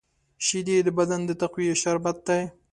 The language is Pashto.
شیدې د بدن د تقویې شربت دی